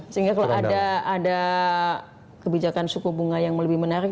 sehingga kalau ada kebijakan suku bunga yang lebih menarik